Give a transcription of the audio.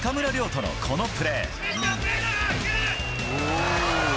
土の、このプレー。